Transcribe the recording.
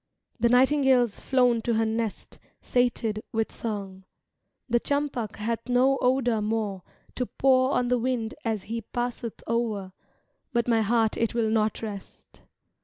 The nightingale's flown to her nest, Sated with song. The champak hath no odour more To pour on the wind as he passeth o'er But my heart it will not rest.